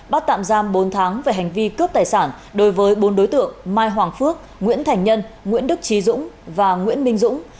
bắt tạm giam bốn tháng về hành vi cướp tài sản đối với bốn đối tượng mai hoàng phước nguyễn thành nhân nguyễn đức trí dũng và nguyễn minh dũng